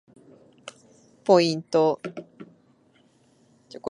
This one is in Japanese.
ポイント